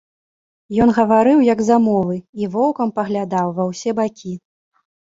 Ён гаварыў, як замовы, і воўкам паглядаў ва ўсе бакі.